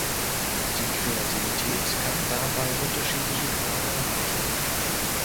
Die Kreativität kann dabei unterschiedliche Grade erreichen.